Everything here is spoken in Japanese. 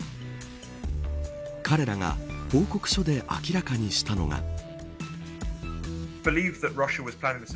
彼らが報告書で明らかにしたのが。